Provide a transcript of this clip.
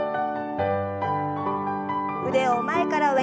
腕を前から上に。